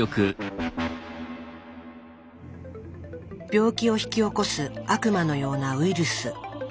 病気を引き起こす悪魔のようなウイルス。